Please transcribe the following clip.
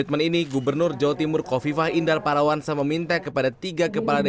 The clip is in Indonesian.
dengan berbagai protokol protokol yang tadi sudah disampaikan